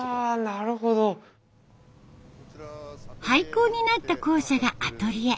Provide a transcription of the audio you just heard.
廃校になった校舎がアトリエ。